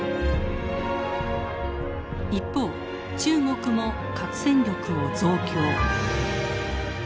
一方中国も核戦力を増強。